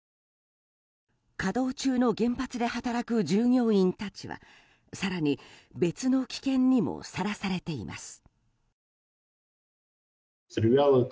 稼働中の原発で働く従業員たちは更に、別の危険にもさらされています。